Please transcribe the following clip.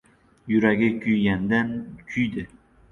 Yuragi kuygandan-kuydi.